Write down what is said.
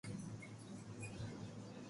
سب آپري واتو ھوڻي ھي